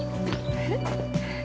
えっ？